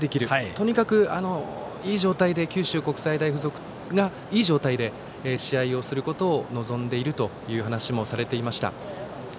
とにかく九州国際大付属がいい状態で試合をすることを望んでいるという話もされていました。